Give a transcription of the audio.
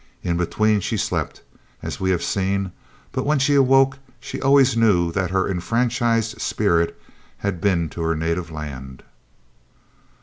In between she slept, as we have seen, but when she woke she always knew that her enfranchised spirit had been to her native land.